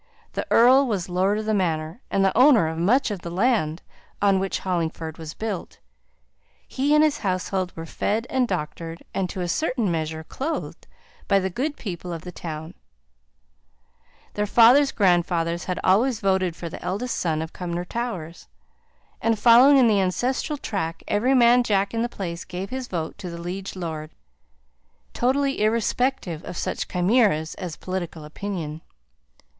"The earl" was lord of the manor, and owner of much of the land on which Hollingford was built; he and his household were fed, and doctored, and, to a certain measure, clothed by the good people of the town; their fathers' grandfathers had always voted for the eldest son of Cumnor Towers, and following in the ancestral track, every man jack in the place gave his vote to the liege lord, totally irrespective of such chimeras as political opinion.